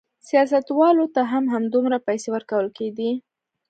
سیاستوالو ته هم همدومره پیسې ورکول کېدې.